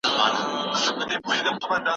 دا باور ژوند اسانه کوي.